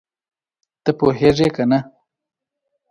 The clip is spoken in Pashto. ته پوهېږې که نه؟